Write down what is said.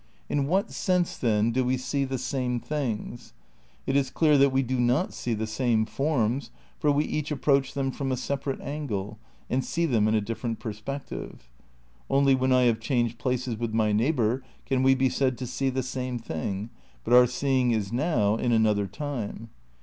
In what sense, then, do we see the same things? It is clear that we do not see the same forms, for we each approach them from a separate angle and see them in a different per spective. Only when I have changed places with my neighbour can we be said to see the same thing, but our seeing is now in another time.